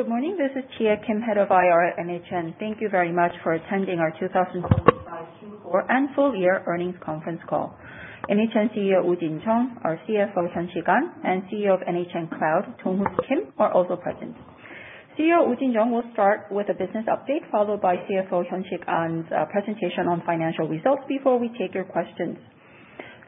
Good morning. This is Jia Kim, Head of IR at NHN. Thank you very much for attending our 2025 Q4 and full year earnings conference call. NHN CEO, Woojin Jung, our CFO, Hyunkshik Ahn, and CEO of NHN Cloud, Dongho Kim, are also present. CEO Woojin Jung will start with a business update, followed by CFO Hyunkshik Ahn's presentation on financial results before we take your questions.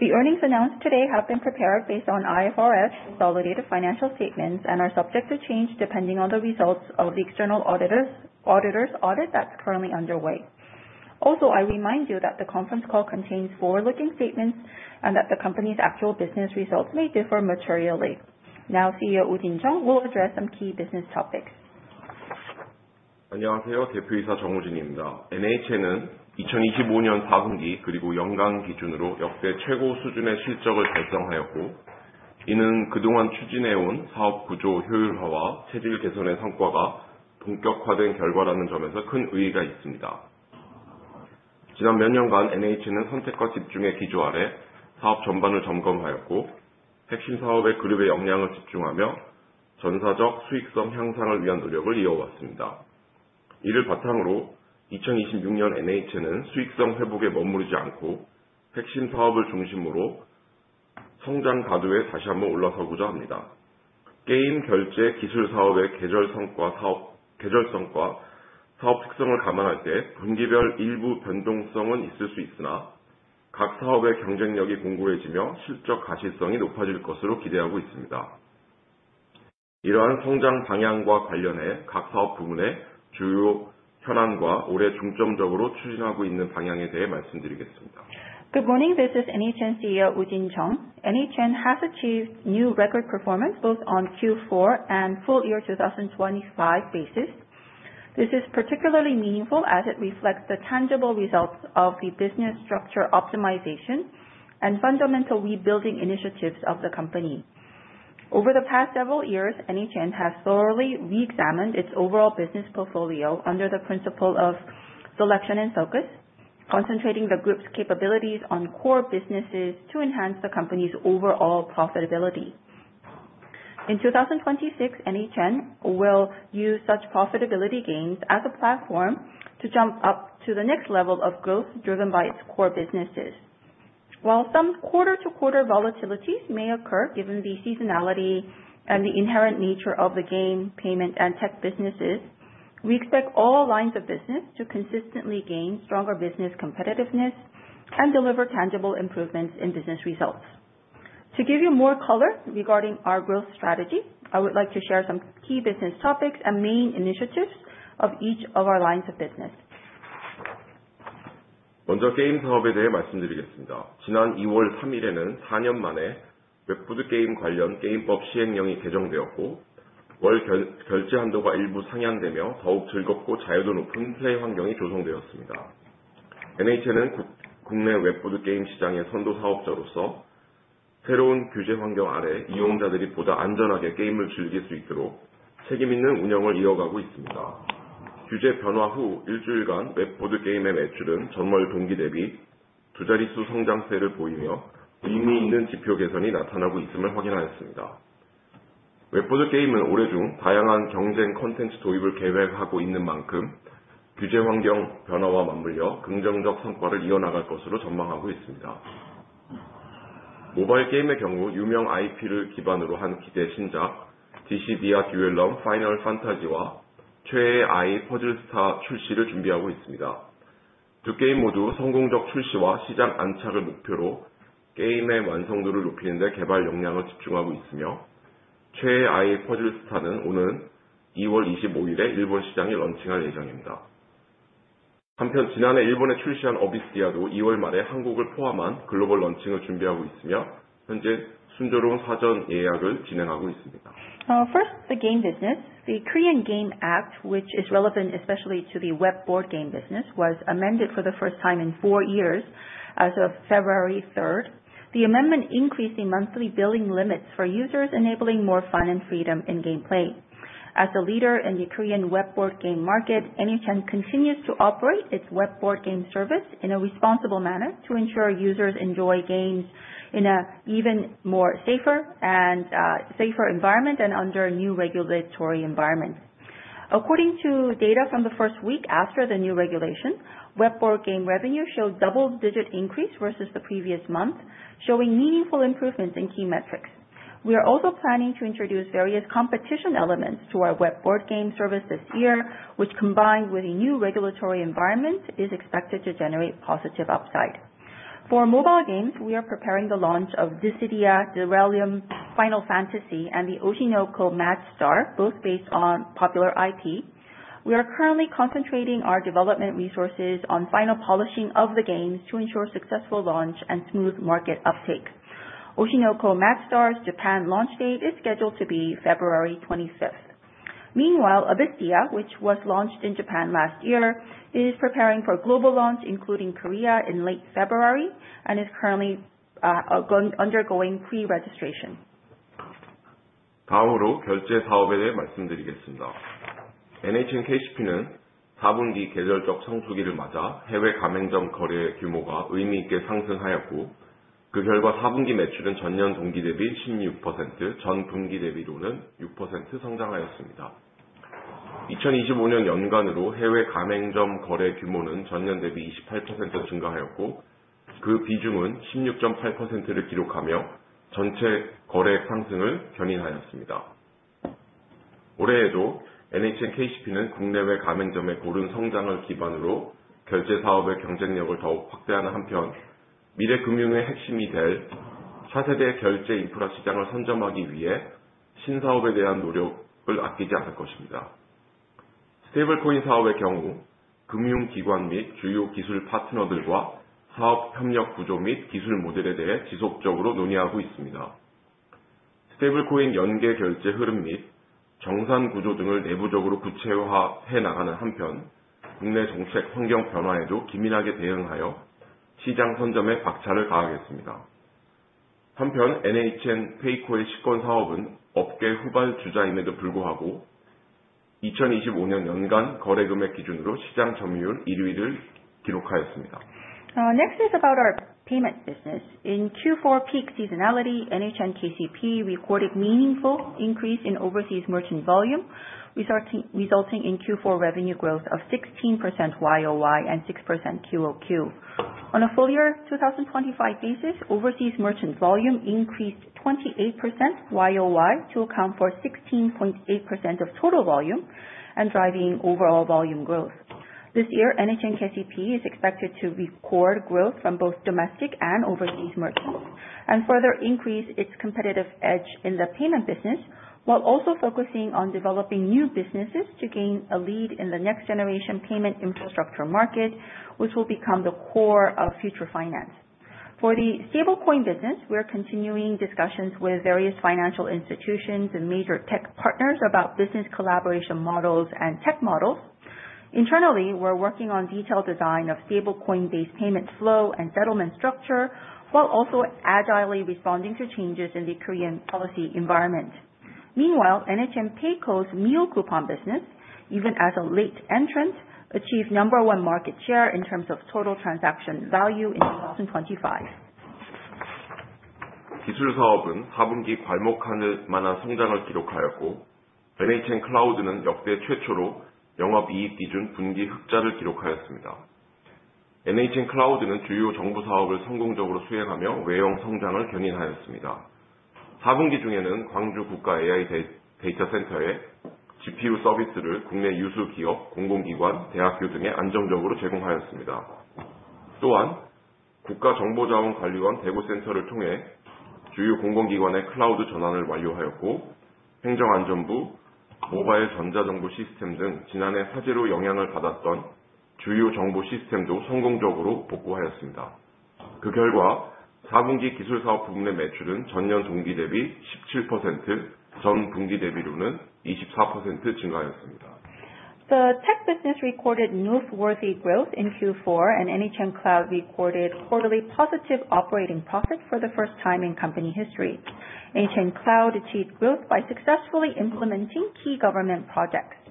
The earnings announced today have been prepared based on IFRS consolidated financial statements, and are subject to change depending on the results of the external auditor's audit that's currently underway. I remind you that the conference call contains forward-looking statements, and that the company's actual business results may differ materially. CEO Woojin Jung will address some key business topics. Good morning. This is NHN's CEO, Woojin Jung. NHN has achieved new record performance, both on Q4 and full year 2025 basis. This is particularly meaningful as it reflects the tangible results of the business structure optimization and fundamental rebuilding initiatives of the company. Over the past several years, NHN has thoroughly reexamined its overall business portfolio under the principle of selection and focus, concentrating the group's capabilities on core businesses to enhance the company's overall profitability. In 2026, NHN will use such profitability gains as a platform to jump up to the next level of growth driven by its core businesses. While some quarter-over-quarter volatilities may occur, given the seasonality and the inherent nature of the game payment and tech businesses, we expect all lines of business to consistently gain stronger business competitiveness and deliver tangible improvements in business results. To give you more color regarding our growth strategy, I would like to share some key business topics and main initiatives of each of our lines of business. The game business. The Game Industry Promotion Act, which is relevant especially to the web board game business, was amended for the first time in four years as of February 3rd. The amendment increasing monthly billing limits for users, enabling more fun and freedom in game play. As a leader in the Korean web board game market, NHN continues to operate its web board game service in a responsible manner to ensure users enjoy games in an even safer environment and under a new regulatory environment. According to data from the first week after the new regulation, web board game revenue showed double-digit increase versus the previous month, showing meaningful improvements in key metrics. We are also planning to introduce various competition elements to our web board game service this year, which combined with a new regulatory environment, is expected to generate positive upside. For mobile games, we are preparing the launch of Dissidia Duellum Final Fantasy and the Oshi no Ko: Match Star, both based on popular IP. We are currently concentrating our development resources on final polishing of the games to ensure successful launch and smooth market uptake. Oshi no Ko: Match Star's Japan launch date is scheduled to be February 25th. Meanwhile, Abyssdia, which was launched in Japan last year, is preparing for global launch, including Korea in late February, and is currently undergoing pre-registration. 그 결과 4분기 매출은 전년 동기 대비 16%, 전분기 대비로는 6% 성장하였습니다. 2025년 연간으로 해외 가맹점 거래 규모는 전년 대비 28% 증가하였고, 그 비중은 16.8%를 기록하며 전체 거래액 상승을 견인하였습니다. 올해에도 NHN KCP는 국내외 가맹점의 고른 성장을 기반으로 결제 사업의 경쟁력을 더욱 확대하는 한편, 미래 금융의 핵심이 될 차세대 결제 인프라 시장을 선점하기 위해 신사업에 대한 노력을 아끼지 않을 것입니다. 스테이블코인 사업의 경우, 금융기관 및 주요 기술 파트너들과 사업 협력 구조 및 기술 모델에 대해 지속적으로 논의하고 있습니다. 스테이블코인 연계 결제 흐름 및 정산 구조 등을 내부적으로 구체화해 나가는 한편, 국내 정책 환경 변화에도 기민하게 대응하여 시장 선점에 박차를 가하겠습니다. 한편 NHN PAYCO의 식권 사업은 업계 후발 주자임에도 불구하고 2025년 연간 거래 금액 기준으로 시장 점유율 1위를 기록하였습니다. Next is about our payments business. In Q4 peak seasonality, NHN KCP recorded meaningful increase in overseas merchant volume, resulting in Q4 revenue growth of 16% year-over-year and 6% quarter-over-quarter. On a full year 2025 basis, overseas merchant volume increased 28% year-over-year to account for 16.8% of total volume and driving overall volume growth. This year, NHN KCP is expected to record growth from both domestic and overseas merchants, and further increase its competitive edge in the payment business, while also focusing on developing new businesses to gain a lead in the next generation payment infrastructure market, which will become the core of future finance. For the Stablecoin business, we are continuing discussions with various financial institutions and major tech partners about business collaboration models and tech models. Internally, we are working on detailed design of Stablecoin-based payment flow and settlement structure, while also agilely responding to changes in the Korean policy environment. Meanwhile, NHN PAYCO's meal coupon business, even as a late entrant, achieved number 1 market share in terms of total transaction value in 2025. 기술 사업은 4분기 괄목할 만한 성장을 기록하였고, NHN Cloud는 역대 최초로 영업이익 기준 분기 흑자를 기록하였습니다. NHN Cloud는 주요 정부 사업을 성공적으로 수행하며 외형 성장을 견인하였습니다. 4분기 중에는 광주 국가 AI 데이터센터의 GPU 서비스를 국내 유수 기업, 공공기관, 대학교 등에 안정적으로 제공하였습니다. 또한 국가정보자원관리원 대구센터를 통해 주요 공공기관의 클라우드 전환을 완료하였고, 행정안전부 모바일 전자정부시스템 등 지난해 화재로 영향을 받았던 주요 정보 시스템도 성공적으로 복구하였습니다. 그 결과 4분기 기술사업 부문의 매출은 전년 동기 대비 17%, 전분기 대비로는 24% 증가하였습니다. The tech business recorded newsworthy growth in Q4, and NHN Cloud recorded quarterly positive operating profit for the first time in company history. NHN Cloud achieved growth by successfully implementing key government projects.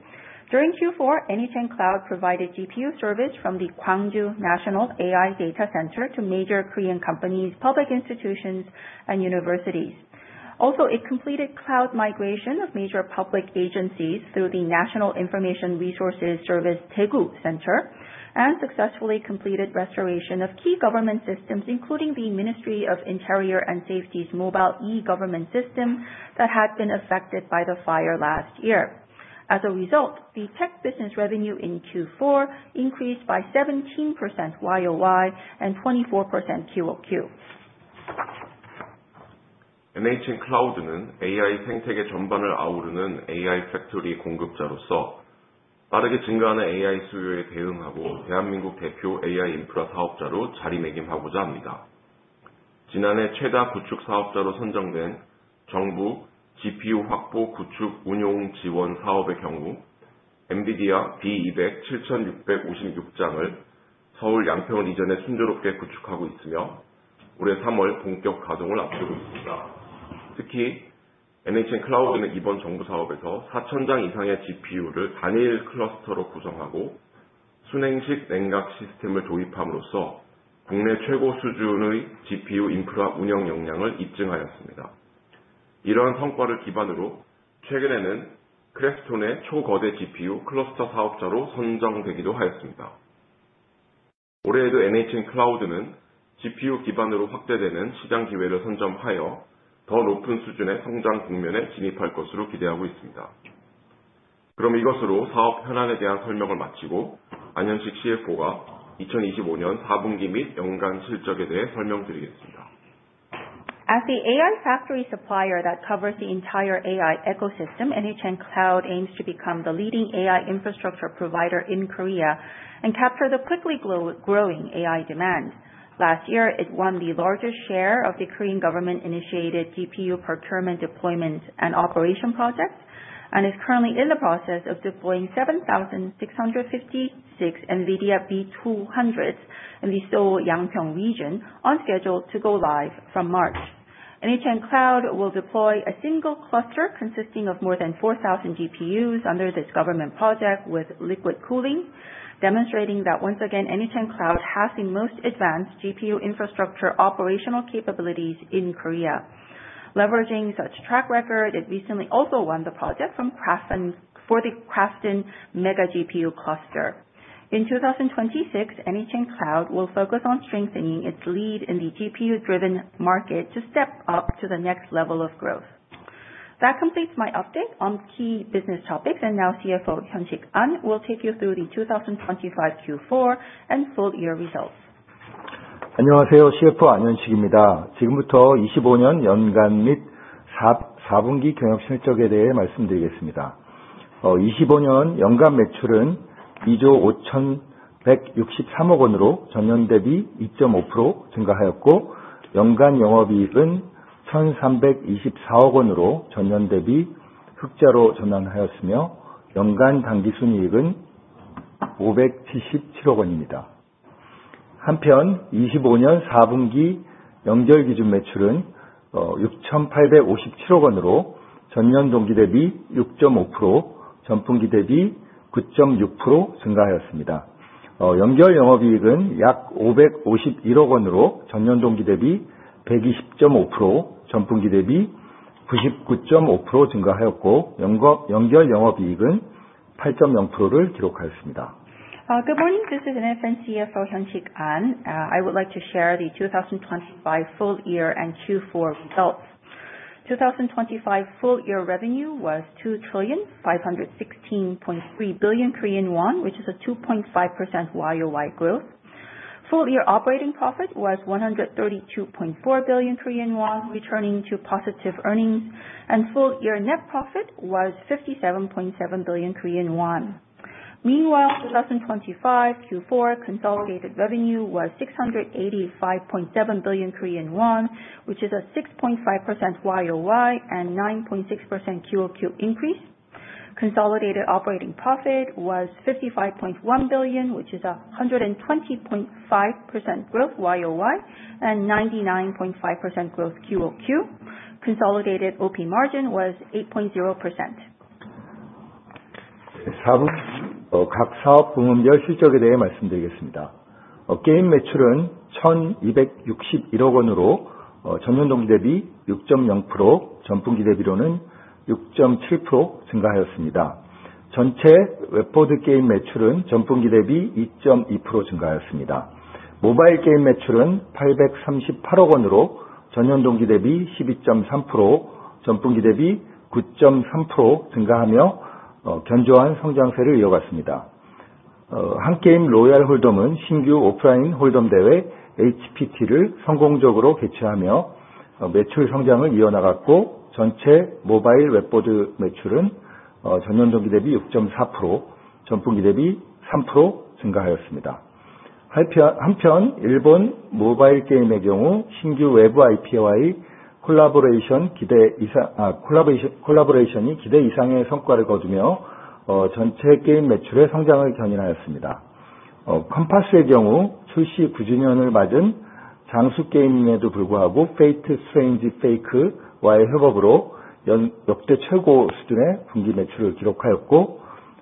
During Q4, NHN Cloud provided GPU service from the Gwangju National AI Data Center to major Korean companies, public institutions, and universities. Also, it completed cloud migration of major public agencies through the National Information Resources Service, Daegu Center, and successfully completed restoration of key government systems, including the Ministry of the Interior and Safety's mobile e-government system that had been affected by the fire last year. As a result, the tech business revenue in Q4 increased by 17% year-over-year and 24% quarter-over-quarter. NHN Cloud는 AI 생태계 전반을 아우르는 AI 팩토리 공급자로서 빠르게 증가하는 AI 수요에 대응하고 대한민국 대표 AI 인프라 사업자로 자리매김하고자 합니다. 지난해 최다 구축 사업자로 선정된 정부 GPU 확보 구축 운용 지원 사업의 경우, NVIDIA B200 7,656장을 서울 양평 리전에 순조롭게 구축하고 있으며, 올해 3월 본격 가동을 앞두고 있습니다. 특히 NHN Cloud는 이번 정부 사업에서 4,000장 이상의 GPU를 단일 클러스터로 구성하고 수냉식 냉각 시스템을 도입함으로써 국내 최고 수준의 GPU 인프라 운영 역량을 입증하였습니다. 이러한 성과를 기반으로 최근에는 KRAFTON의 초거대 GPU 클러스터 사업자로 선정되기도 하였습니다. 올해에도 NHN Cloud는 GPU 기반으로 확대되는 시장 기회를 선점하여 더 높은 수준의 성장 국면에 진입할 것으로 기대하고 있습니다. 그럼 이것으로 사업 현안에 대한 설명을 마치고 안현식 CFO가 2025년 4분기 및 연간 실적에 대해 설명드리겠습니다. As the AI factory supplier that covers the entire AI ecosystem, NHN Cloud aims to become the leading AI infrastructure provider in Korea and capture the quickly growing AI demand. Last year, it won the largest share of the Korean government-initiated GPU procurement deployment and operation project and is currently in the process of deploying 7,656 NVIDIA B200 in the Seoul Yangpyeong region on schedule to go live from March. NHN Cloud will deploy a single cluster consisting of more than 4,000 GPUs under this government project with liquid cooling, demonstrating that once again, NHN Cloud has the most advanced GPU infrastructure operational capabilities in Korea. Leveraging such track record, it recently also won the project for the KRAFTON Mega GPU cluster. In 2026, NHN Cloud will focus on strengthening its lead in the GPU-driven market to step up to the next level of growth. That completes my update on key business topics. Now CFO Hyun Sik Ahn will take you through the 2025 Q4 and full-year results. 안녕하세요. CFO 안현식입니다. 지금부터 25년 연간 및 4분기 경영실적에 대해 말씀드리겠습니다. 25년 연간 매출은 2조 5,163억 원으로 전년 대비 2.5% 증가하였고, 연간 영업이익은 1,324억 원으로 전년 대비 흑자로 전환하였으며, 연간 당기순이익은 577억 원입니다. 한편, 25년 4분기 연결 기준 매출은 6,857억 원으로 전년 동기 대비 6.5%, 전분기 대비 9.6% 증가하였습니다. 연결 영업이익은 약 551억 원으로 전년 동기 대비 120.5%, 전분기 대비 99.5% 증가하였고, 연결 영업이익률은 8.0%를 기록하였습니다. Good morning. This is NHN CFO Hyun Sik Ahn. I would like to share the 2025 full-year and Q4 results. 2025 full-year revenue was 2,516.3 billion Korean won, which is a 2.5% YOY growth. Full-year operating profit was 132.4 billion Korean won, returning to positive earnings. Full-year net profit was 57.7 billion Korean won. Meanwhile, 2025 Q4 consolidated revenue was 685.7 billion Korean won, which is a 6.5% YOY and 9.6% QOQ increase. Consolidated operating profit was 55.1 billion, which is 120.5% growth YOY and 99.5% growth QOQ. Consolidated OP margin was 8.0%. 각 사업 부문별 실적에 대해 말씀드리겠습니다. 게임 매출은 1,261억 원으로 전년 동기 대비 6.0%, 전분기 대비로는 6.7% 증가하였습니다. 전체 웹보드 게임 매출은 전분기 대비 2.2% 증가하였습니다. 모바일 게임 매출은 838억 원으로 전년 동기 대비 12.3%, 전분기 대비 9.3% 증가하며 견조한 성장세를 이어갔습니다. 한게임 로얄 홀덤은 신규 오프라인 홀덤 대회 HPT를 성공적으로 개최하며 매출 성장을 이어나갔고, 전체 모바일 웹보드 매출은 전년 동기 대비 6.4%, 전분기 대비 3% 증가하였습니다. 한편, 일본 모바일 게임의 경우 신규 외부 IP와의 컬래버레이션이 기대 이상의 성과를 거두며 전체 게임 매출의 성장을 견인하였습니다. #COMPASS의 경우 출시 9주년을 맞은 장수 게임임에도 불구하고 Fate/strange Fake와의 협업으로 역대 최고 수준의 분기 매출을 기록하였고,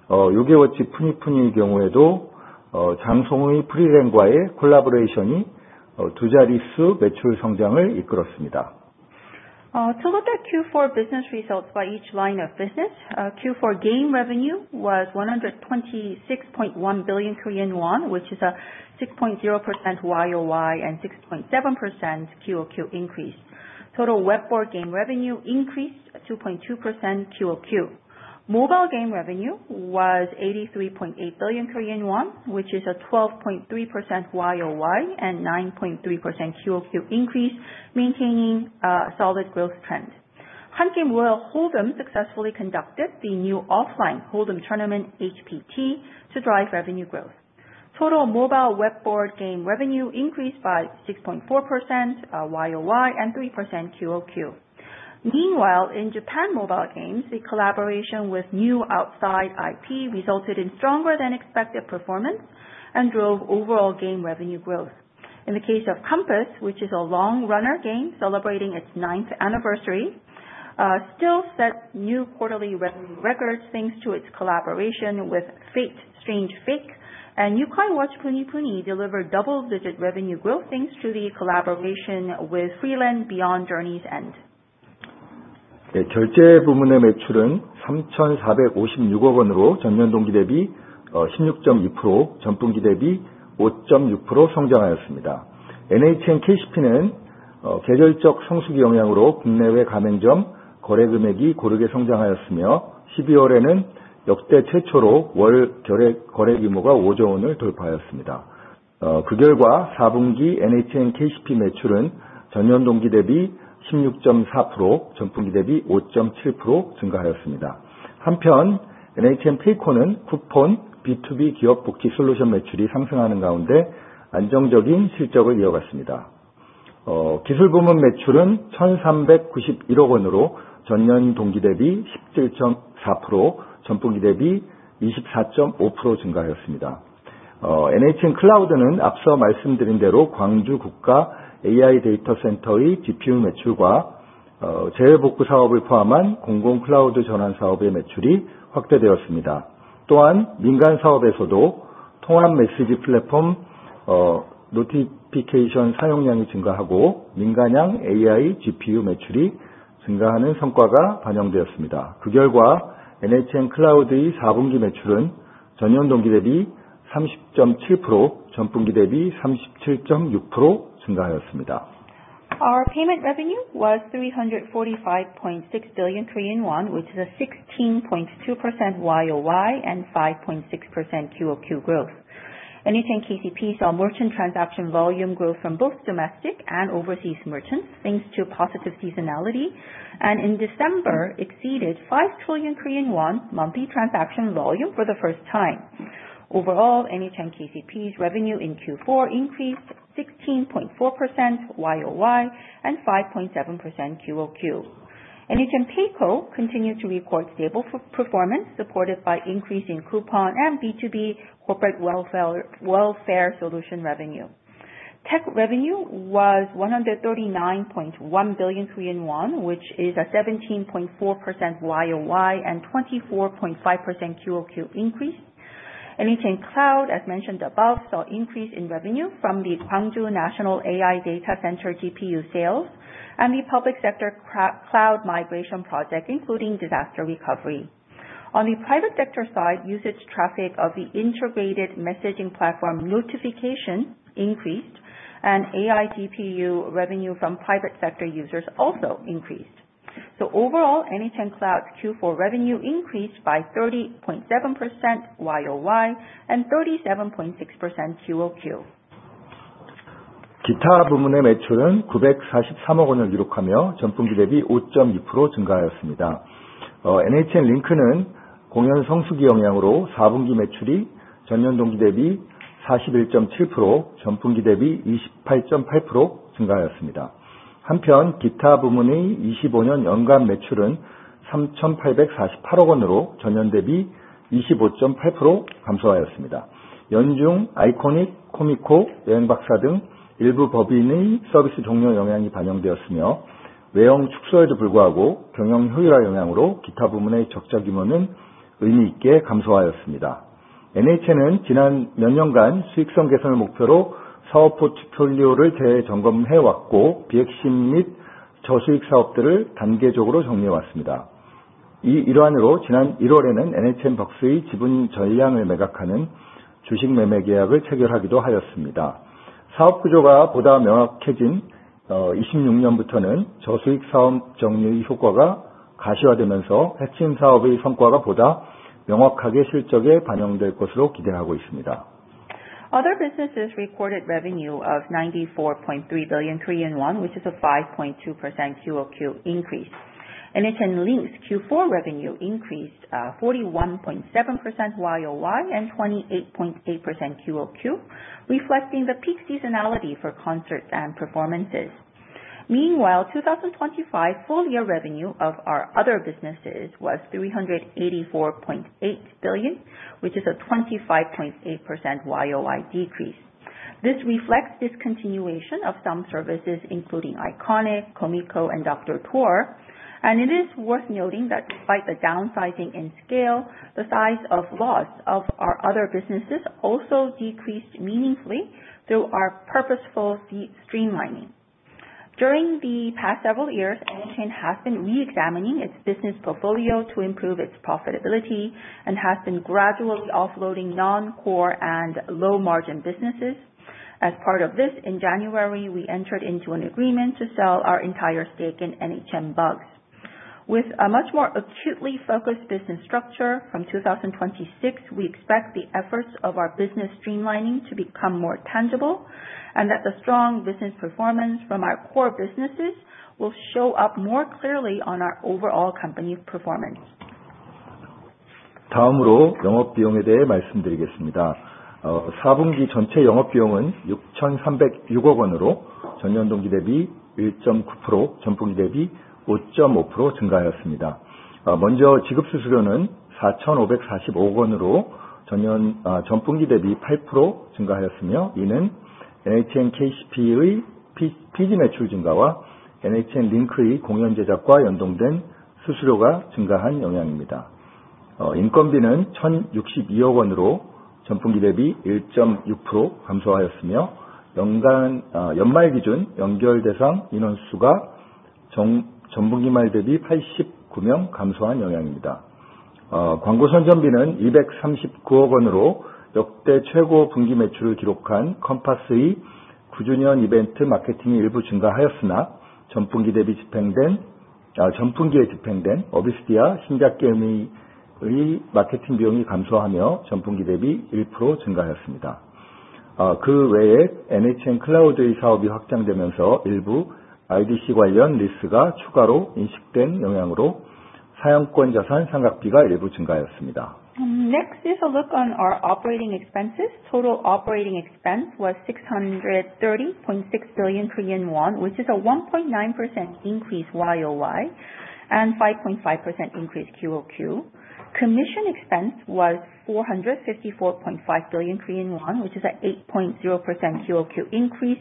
Yo-kai Watch Puni Puni의 경우에도 Frieren: Beyond Journey's End와의 컬래버레이션이 두 자릿수 매출 성장을 이끌었습니다. To look at Q4 business results by each line of business. Q4 game revenue was 126.1 billion Korean won, which is a 6.0% YOY and 6.7% QOQ increase. Total webboard game revenue increased 2.2% QOQ. Mobile game revenue was 83.8 billion Korean won, which is a 12.3% YOY and 9.3% QOQ increase, maintaining a solid growth trend. Hangame Royal Hold'em successfully conducted the new offline Hold'em tournament, HPT, to drive revenue growth. Total mobile webboard game revenue increased by 6.4% YOY and 3% QOQ. Meanwhile, in Japan mobile games, the collaboration with new outside IP resulted in stronger than expected performance and drove overall game revenue growth. In the case of #COMPASS, which is a long runner game celebrating its ninth anniversary, still sets new quarterly revenue records thanks to its collaboration with Fate/strange Fake. Yo-kai Watch Puni Puni delivered double-digit revenue growth thanks to the collaboration with Frieren: Beyond Journey's End. 결제 부문의 매출은 3,456억 원으로 전년 동기 대비 16.2%, 전분기 대비 5.6% 성장하였습니다. NHN KCP는 계절적 성수기 영향으로 국내외 가맹점 거래 금액이 고르게 성장하였으며, 12월에는 역대 최초로 월 거래 규모가 5조 원을 돌파하였습니다. 그 결과 4분기 NHN KCP 매출은 전년 동기 대비 16.4%, 전분기 대비 5.7% 증가하였습니다. 한편 NHN PAYCO는 쿠폰 B2B 기업 복지 솔루션 매출이 상승하는 가운데 안정적인 실적을 이어갔습니다. 기술 부문 매출은 1,391억 원으로 전년 동기 대비 17.4%, 전분기 대비 24.5% 증가하였습니다. NHN Cloud는 앞서 말씀드린 대로 광주 국가 AI 데이터센터의 GPU 매출과 재해복구 사업을 포함한 공공 클라우드 전환 사업의 매출이 확대되었습니다. 또한 민간 사업에서도 통합 메시지 플랫폼 Notification Hub 사용량이 증가하고, 민간향 AI GPU 매출이 증가하는 성과가 반영되었습니다. 그 결과 NHN Cloud의 4분기 매출은 전년 동기 대비 30.7%, 전분기 대비 37.6% 증가하였습니다. Our payment revenue was 345.6 billion Korean won, which is a 16.2% YOY and 5.6% QoQ growth. NHN KCP saw merchant transaction volume growth from both domestic and overseas merchants, thanks to positive seasonality, and in December exceeded 5 trillion Korean won monthly transaction volume for the first time. Overall, NHN KCP's revenue in Q4 increased 16.4% YOY and 5.7% QoQ. NHN PAYCO continued to record stable performance, supported by increase in coupon and B2B corporate welfare solution revenue. Tech revenue was 139.1 billion Korean won, which is a 17.4% YOY and 24.5% QoQ increase. NHN Cloud, as mentioned above, saw increase in revenue from the Gwangju National AI Data Center GPU sales and the public sector cloud migration project, including disaster recovery. On the private sector side, usage traffic of the integrated messaging platform Notification increased, and AI GPU revenue from private sector users also increased. Overall, NHN Cloud Q4 revenue increased by 30.7% YOY and 37.6% QoQ. 기타 부문의 매출은 943억 원을 기록하며 전분기 대비 5.2% 증가하였습니다. NHN Link는 공연 성수기 영향으로 4분기 매출이 전년 동기 대비 41.7%, 전분기 대비 28.8% 증가하였습니다. 한편, 기타 부문의 25년 연간 매출은 3,848억 원으로 전년 대비 25.8% 감소하였습니다. 연중 Ikonic, 코미코, NHN여행박사 등 일부 법인의 서비스 종료 영향이 반영되었으며, 외형 축소에도 불구하고 경영 효율화 영향으로 기타 부문의 적자 규모는 의미 있게 감소하였습니다. NHN은 지난 몇 년간 수익성 개선을 목표로 사업 포트폴리오를 재점검해 왔고, 비핵심 및 저수익 사업들을 단계적으로 정리해 왔습니다. 이 일환으로 지난 1월에는 NHN 벅스의 지분 전량을 매각하는 주식매매계약을 체결하기도 하였습니다. 사업 구조가 보다 명확해진 26년부터는 저수익 사업 정리의 효과가 가시화되면서 핵심 사업의 성과가 보다 명확하게 실적에 반영될 것으로 기대하고 있습니다. Other businesses recorded revenue of 94.3 billion Korean won, which is a 5.2% QoQ increase. NHN Link Q4 revenue increased 41.7% YOY and 28.8% QoQ, reflecting the peak seasonality for concerts and performances. Meanwhile, 2025 full year revenue of our other businesses was 384.8 billion, which is a 25.8% YOY decrease. This reflects discontinuation of some services, including Ikonic, Comico, and Dr. Tour, and it is worth noting that despite the downsizing and scale, the size of loss of our other businesses also decreased meaningfully through our purposeful streamlining. During the past several years, NHN has been re-examining its business portfolio to improve its profitability and has been gradually offloading non-core and low-margin businesses. As part of this, in January, we entered into an agreement to sell our entire stake in NHN Bugs. With a much more acutely focused business structure from 2026, we expect the efforts of our business streamlining to become more tangible, and that the strong business performance from our core businesses will show up more clearly on our overall company performance. 다음으로 영업 비용에 대해 말씀드리겠습니다. 4분기 전체 영업 비용은 6,306억 원으로 전년 동기 대비 1.9%, 전분기 대비 5.5% 증가하였습니다. 먼저 지급 수수료는 4,545억 원으로 전분기 대비 8% 증가하였으며, 이는 NHN KCP의 PG 매출 증가와 NHN Link의 공연 제작과 연동된 수수료가 증가한 영향입니다. 인건비는 1,062억 원으로 전분기 대비 1.6% 감소하였으며, 연말 기준 연결 대상 인원수가 전분기 말 대비 89명 감소한 영향입니다. 광고선전비는 239억 원으로 역대 최고 분기 매출을 기록한 #COMPASS의 9주년 이벤트 마케팅이 일부 증가하였으나, 전분기에 집행된 Abyssdia 신작 게임의 마케팅 비용이 감소하며 전분기 대비 1% 증가하였습니다. 그 외에 NHN Cloud의 사업이 확장되면서 일부 IDC 관련 리스가 추가로 인식된 영향으로 사용권 자산 상각비가 일부 증가하였습니다. Next is a look on our operating expenses. Total operating expense was 630.6 billion Korean won, which is a 1.9% increase year-over-year. 5.5% increase quarter-over-quarter. Commission expense was 454.5 billion Korean won, which is an 8.0% quarter-over-quarter increase,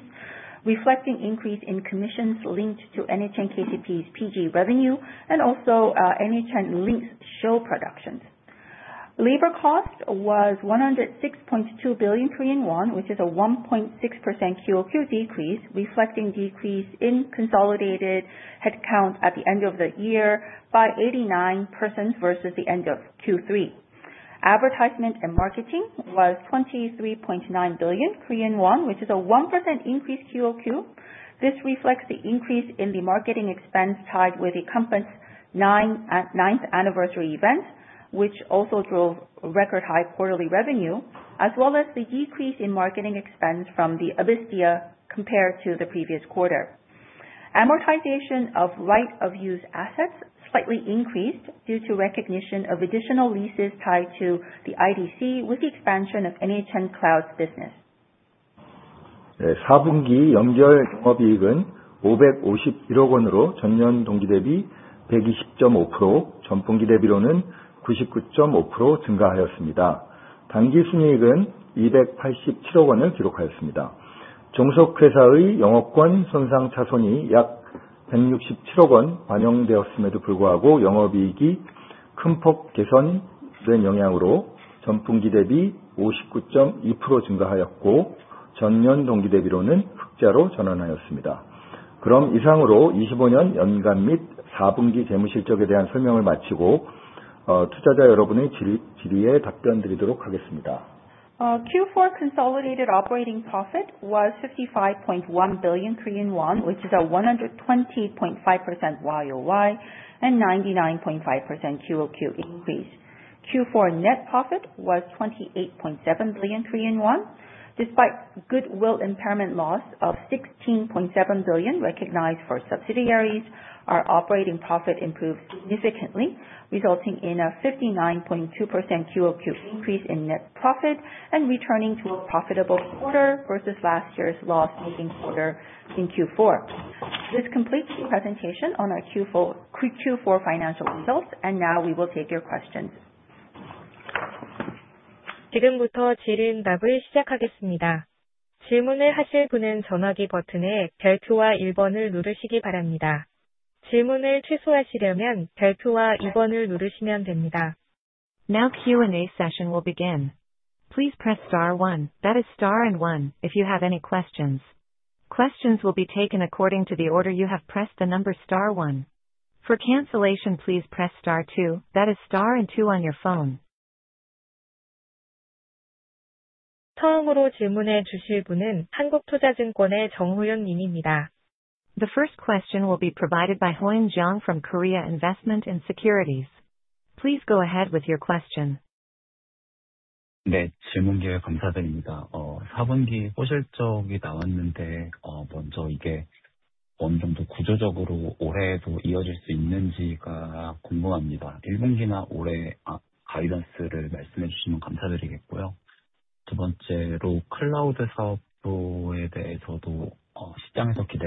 reflecting increase in commissions linked to NHN KCP's PG revenue and also NHN Link's show productions. Labor cost was 106.2 billion Korean won, which is a 1.6% quarter-over-quarter decrease, reflecting decrease in consolidated head count at the end of the year by 89 persons versus the end of Q3. Advertisement and marketing was 23.9 billion Korean won, which is a 1% increase quarter-over-quarter. This reflects the increase in the marketing expense tied with the company's ninth anniversary event, which also drove record high quarterly revenue, as well as the decrease in marketing expense from the Abyssdia compared to the previous quarter. Amortization of right of use assets slightly increased due to recognition of additional leases tied to the IDC with the expansion of NHN Cloud's business. Q4 consolidated operating profit was 55.1 billion Korean won, which is a 120.5% year-over-year and 99.5% quarter-over-quarter increase. Q4 net profit was 28.7 billion Korean won. Despite goodwill impairment loss of 16.7 billion recognized for subsidiaries, our operating profit improved significantly, resulting in a 59.2% quarter-over-quarter increase in net profit and returning to a profitable quarter versus last year's loss-making quarter in Q4. This completes the presentation on our Q4 financial results. Now we will take your questions. Q&A session will begin. Please press star one, that is star and one, if you have any questions. Questions will be taken according to the order you have pressed the number star one. For cancellation, please press star two, that is star and two on your phone. The first question will be provided by Hoyan Jeong from Korea Investment & Securities. Please go ahead with your question. I have questions.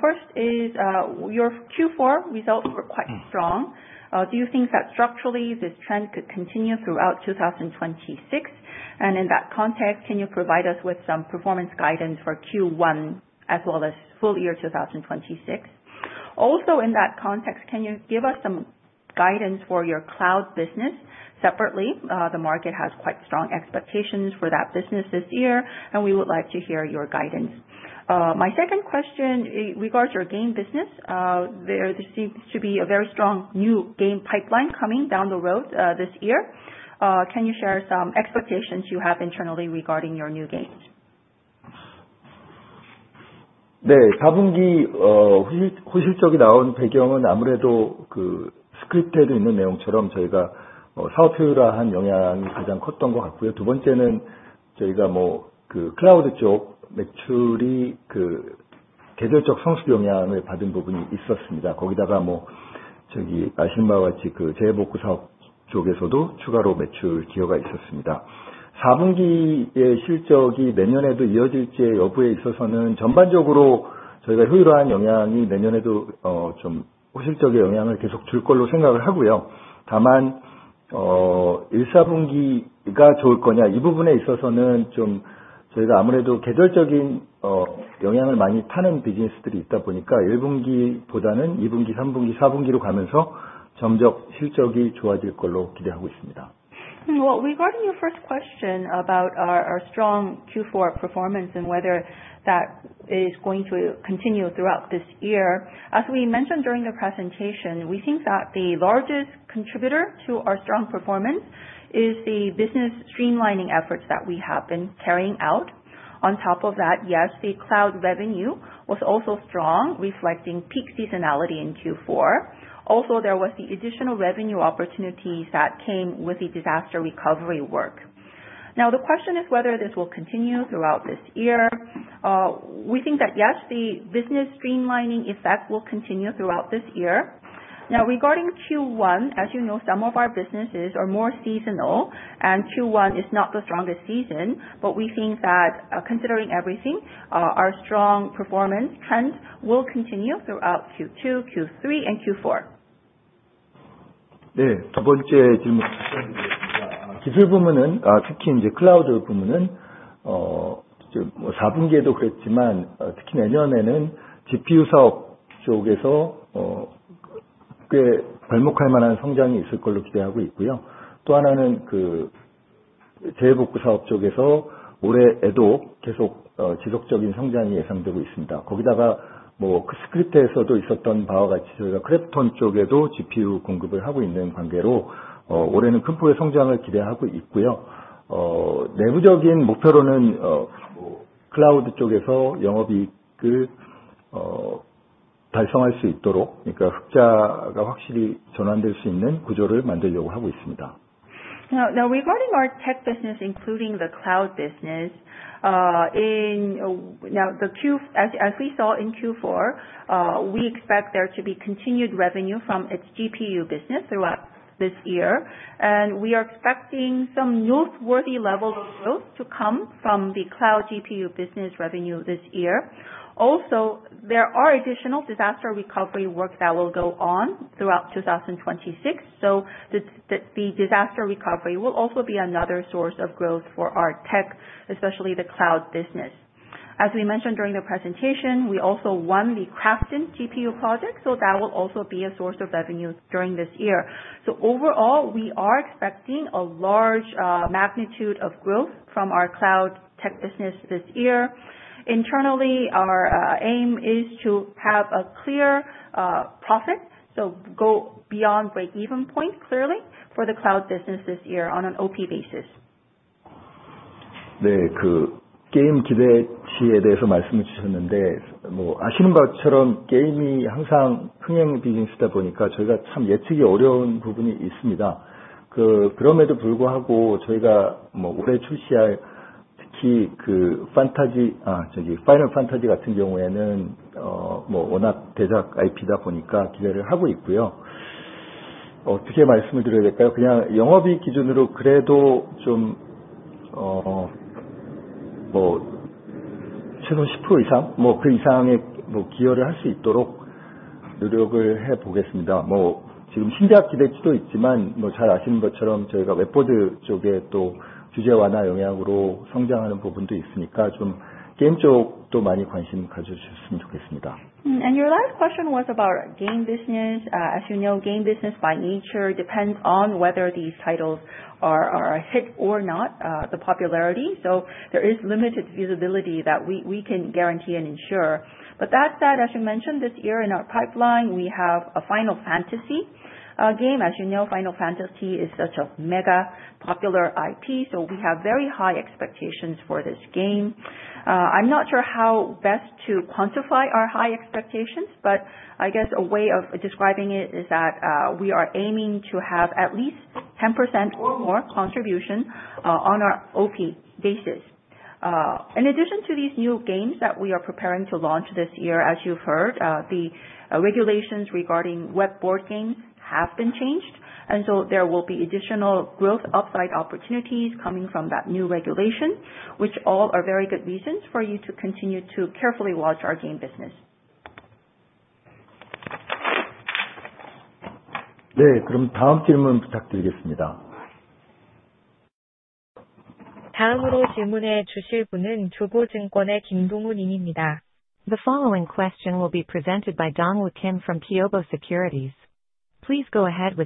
First is, your Q4 results were quite strong. Do you think that structurally this trend could continue throughout 2026? In that context, can you provide us with some performance guidance for Q1 as well as full year 2026? Also in that context, can you give us some guidance for your cloud business separately? The market has quite strong expectations for that business this year. We would like to hear your guidance. My second question regards your game business. There seems to be a very strong new game pipeline coming down the road this year. Can you share some expectations you have internally regarding your new games? Regarding your first question about our strong Q4 performance and whether that is going to continue throughout this year, as we mentioned during the presentation, we think that the largest contributor to our strong performance is the business streamlining efforts that we have been carrying out. On top of that, yes, the cloud revenue was also strong, reflecting peak seasonality in Q4. Also, there was the additional revenue opportunities that came with the disaster recovery work. The question is whether this will continue throughout this year. We think that, yes, the business streamlining effect will continue throughout this year. Regarding Q1, as you know, some of our businesses are more seasonal, and Q1 is not the strongest season. We think that considering everything, our strong performance trends will continue throughout Q2, Q3 and Q4. Regarding our tech business, including the cloud business. As we saw in Q4, we expect there to be continued revenue from its GPU business throughout this year, and we are expecting some newsworthy level of growth to come from the cloud GPU business revenue this year. Also, there are additional disaster recovery work that will go on throughout 2026. The disaster recovery will also be another source of growth for our tech, especially the cloud business. As we mentioned during the presentation, we also won the KRAFTON GPU project, that will also be a source of revenue during this year. Overall, we are expecting a large magnitude of growth from our cloud tech business this year. Internally, our aim is to have a clear profit. Go beyond breakeven point clearly for the cloud business this year on an OP basis. Your last question was about game business. As you know, game business by nature depends on whether these titles are a hit or not, the popularity. There is limited visibility that we can guarantee and ensure. That said, as you mentioned, this year in our pipeline, we have a Final Fantasy game. As you know, Final Fantasy is such a mega popular IP. We have very high expectations for this game. I'm not sure how best to quantify our high expectations, but I guess a way of describing it is that, we are aiming to have at least 10% or more contribution on our OP basis. In addition to these new games that we are preparing to launch this year, as you've heard, the regulations regarding web board games have been changed, there will be additional growth upside opportunities coming from that new regulation, which all are very good reasons for you to continue to carefully watch our game business. The following question will be presented by Dong Wu Kim from Kyobo Securities. Please go ahead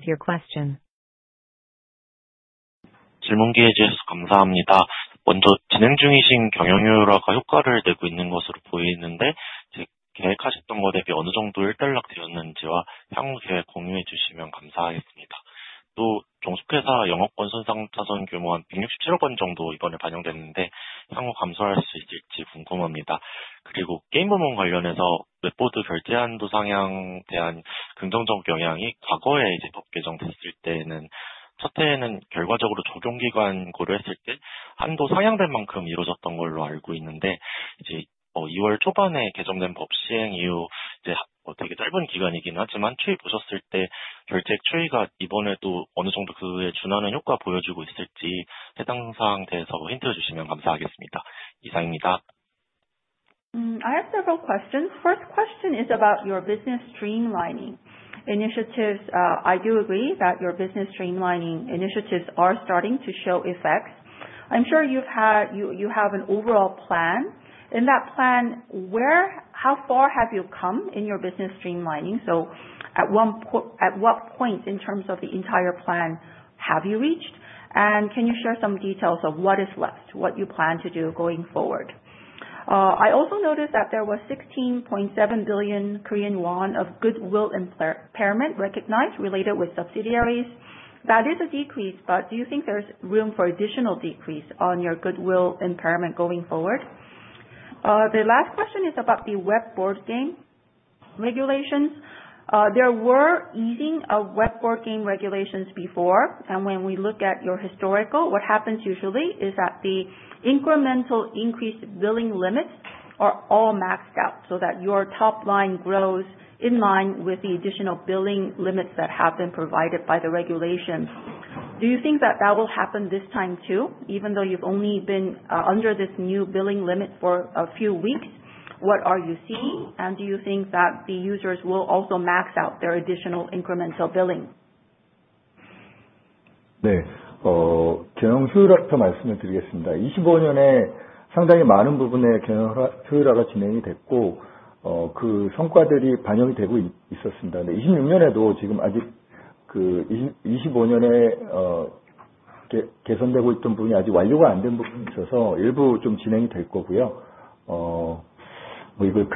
with your question. I have several questions. First question is about your business streamlining initiatives. I do agree that your business streamlining initiatives are starting to show effects. I'm sure you have an overall plan. In that plan, how far have you come in your business streamlining? At what point in terms of the entire plan have you reached, and can you share some details of what is left, what you plan to do going forward? I also noticed that there was 16.7 billion Korean won of goodwill impairment recognized related with subsidiaries. That is a decrease, but do you think there's room for additional decrease on your goodwill impairment going forward? The last question is about the web board game regulations. There were easing of web board game regulations before. When we look at your historical, what happens usually is that the incremental increased billing limits are all maxed out so that your top line grows in line with the additional billing limits that have been provided by the regulation. Do you think that that will happen this time too, even though you've only been under this new billing limit for a few weeks? What are you seeing? Do you think that the users will also max out their additional incremental billing? To answer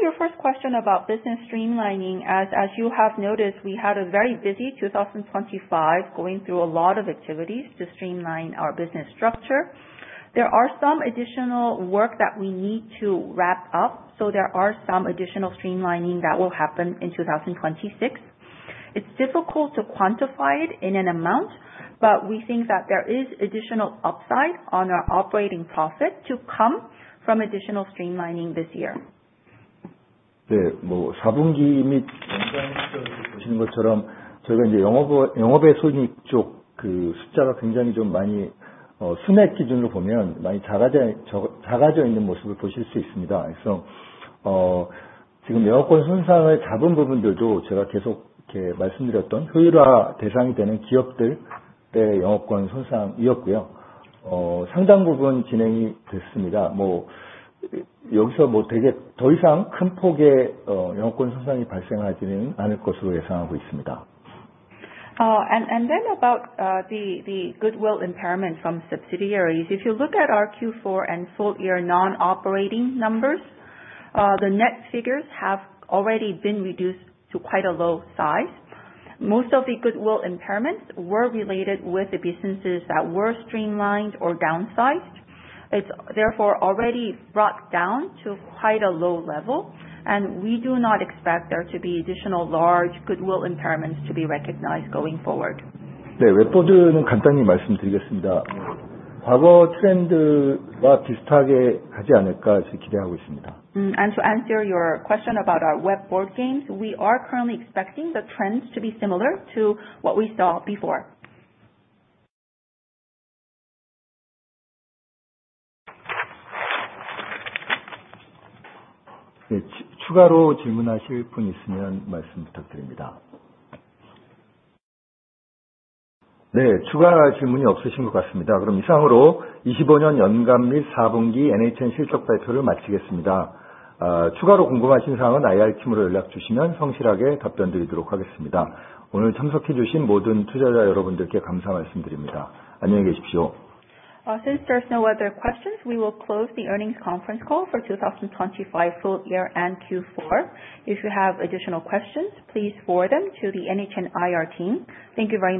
your first question about business streamlining, as you have noticed, we had a very busy 2025 going through a lot of activities to streamline our business structure. There are some additional work that we need to wrap up. There are some additional streamlining that will happen in 2026. It's difficult to quantify it in an amount, we think that there is additional upside on our operating profit to come from additional streamlining this year. About the goodwill impairment from subsidiaries. If you look at our Q4 and full-year non-operating numbers, the net figures have already been reduced to quite a low size. Most of the goodwill impairments were related with the businesses that were streamlined or downsized. It's therefore already brought down to quite a low level, and we do not expect there to be additional large goodwill impairments to be recognized going forward. To answer your question about our web board games, we are currently expecting the trends to be similar to what we saw before. Since there's no other questions, we will close the earnings conference call for 2025 full year and Q4. If you have additional questions, please forward them to the NHN IR team. Thank you very much.